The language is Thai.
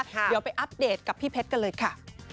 เดี๋ยวไปอัปเดตกับพี่เพชรกันเลยค่ะ